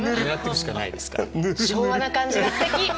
昭和な感じが好き。